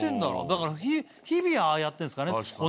だから日々ああやってんすかね？